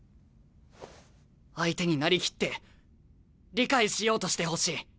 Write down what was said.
相手になりきって理解しようとしてほしい。